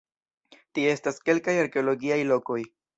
Tie estas kelkaj arkeologiaj lokoj.